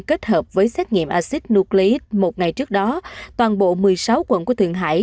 kết hợp với xét nghiệm acid nucleit một ngày trước đó toàn bộ một mươi sáu quận của thượng hải